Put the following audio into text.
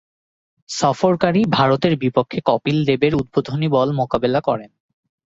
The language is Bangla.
সফরকারী ভারতের বিপক্ষে কপিল দেবের উদ্বোধনী বল মোকাবেলা করেন।